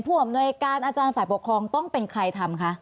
อำนวยการอาจารย์ฝ่ายปกครองต้องเป็นใครทำคะ